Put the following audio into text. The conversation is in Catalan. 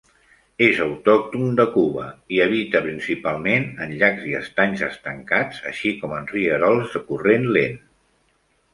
És autòcton de Cuba i habita principalment en llacs i estanys estancats, així com en rierols de corrent lent.